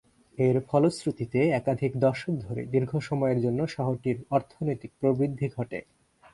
এর ফলশ্রুতিতে একাধিক দশক ধরে দীর্ঘ সময়ের জন্য শহরটির অর্থনৈতিক প্রবৃদ্ধি ঘটে।